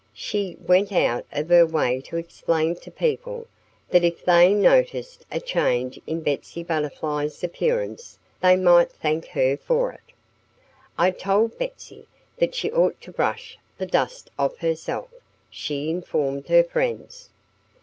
She went out of her way to explain to people that if they noticed a change in Betsy Butterfly's appearance, they might thank her for it.... "I told Betsy that she ought to brush the dust off herself," she informed her friends.